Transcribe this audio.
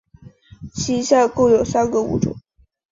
其下共有三个物种。